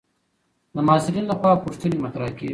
د محصلینو لخوا پوښتنې مطرح کېږي.